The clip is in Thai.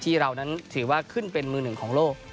ที่เรานั้นถือว่าขึ้นเป็นมือหนึ่งของโลก